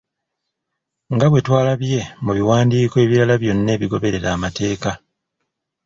Nga bwe twalabye mu biwandiiko ebirala byonna ebigoberera amateeka.